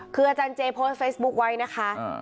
คืออาจารย์เจโพสต์เฟซบุ๊คไว้นะคะ